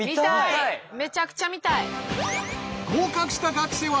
めちゃくちゃ見たい。